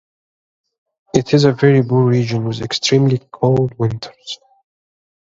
It is a very poor region with extremely cold winters.